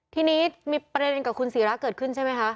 ทีนี้มีประเด็นกับคุณศิราเกิดขึ้นใช่ไหมคะ